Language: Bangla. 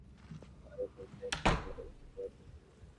তবে তিনি চাইলে পরিচালক হতেই পারেন অভিনয় থেকে অবসর নেওয়ার পর।